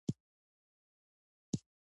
په افغانستان کې ژبې ډېر زیات اهمیت لري.